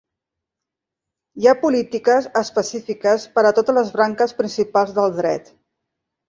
Hi ha polítiques específiques per a totes les branques principals del Dret.